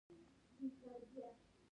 ته ډیر ناوخته خبر سوی